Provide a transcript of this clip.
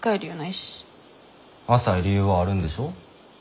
浅い理由はあるんでしょ？